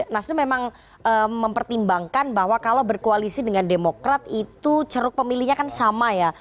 nasdem memang mempertimbangkan bahwa kalau berkoalisi dengan demokrat itu ceruk pemilihnya kan sama ya